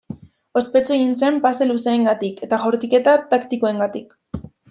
Ospetsu egin zen pase luzeengatik eta jaurtiketa taktikoengatik.